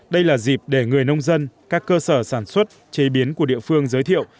đây là dịp để người nông dân các cơ sở sản xuất chế biến của địa phương giới thiệu